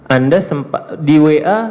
anda di wa